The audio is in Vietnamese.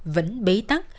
vẫn bấy tắc